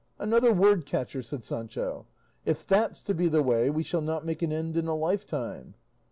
Another word catcher!" said Sancho; "if that's to be the way we shall not make an end in a lifetime."